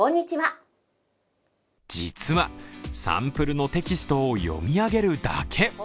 実は、サンプルのテキストを読み上げるだけ。